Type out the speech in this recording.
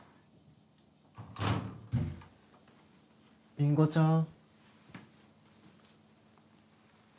りんごちゃん